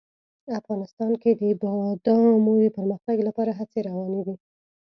افغانستان کې د بادامو د پرمختګ لپاره هڅې روانې دي.